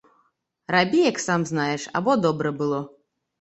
Рабі, як сам знаеш, або добра было.